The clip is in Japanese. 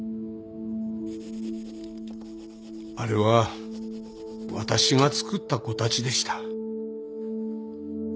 あれは私がつくった子たちでした。